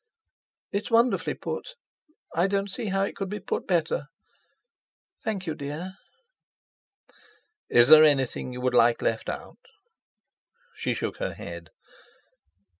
"It's wonderfully put. I don't see how it could be put better. Thank you, dear." "Is there anything you would like left out?" She shook her head.